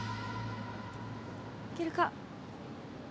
いけるか？